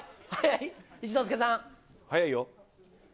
早いよ。